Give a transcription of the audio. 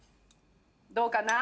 どうかな？